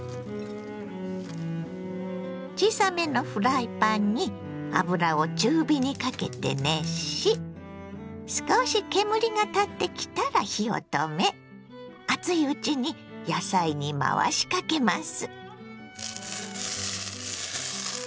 小さめのフライパンに油を中火にかけて熱し少し煙が立ってきたら火を止め熱いうちに野菜に回しかけます。